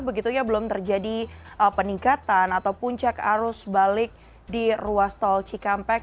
begitu ya belum terjadi peningkatan atau puncak arus balik di ruas tol cikampek